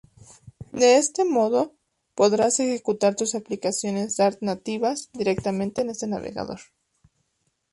De este modo podrás ejecutar tus aplicaciones Dart nativas directamente en este navegador.